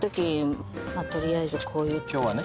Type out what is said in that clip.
とりあえずこういう今日はね